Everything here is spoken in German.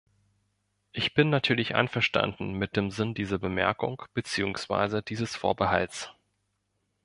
Ich bin natürlich einverstanden mit dem Sinn dieser Bemerkung beziehungsweise dieses Vorbehalts.